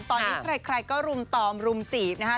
ตอนนี้ใครก็รุมตอมรุมจีบนะฮะ